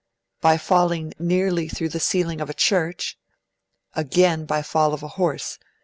(5) By falling nearly through the ceiling of a church. (6) Again by a fall of a horse.